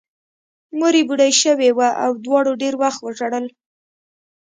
مور یې بوډۍ شوې وه او دواړو ډېر وخت وژړل